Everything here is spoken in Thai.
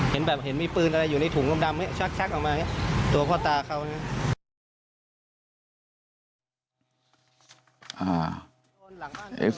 เห็นแบบเห็นมีปืนอะไรอยู่ในถุงดำเนี่ยชักออกมาตัวพ่อตาเค้าเนี่ย